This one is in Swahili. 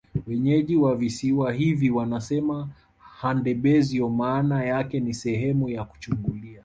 Wenyeji wa Visiwa hivi wanasema Handebezyo maana yake ni Sehemu ya kuchungulia